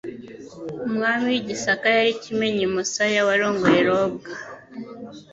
Umwami w'i Gisaka yari Kimenyi Musaya warongoye Robwa,